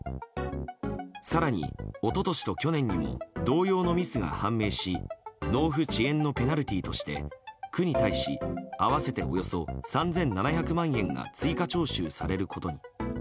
更に、一昨年と去年にも同様のミスが判明し納付遅延のペナルティーとして区に対し合わせておよそ３７００万円が追加徴収されることに。